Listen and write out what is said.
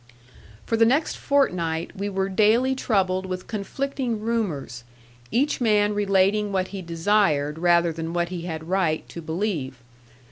For the next fortnight we were daily troubled with conflicting rumours, each man relating what he desired, rather than what he had right, to believe.